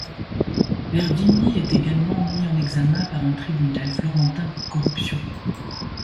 Verdini est également mis en examen par un tribunal florentin pour corruption.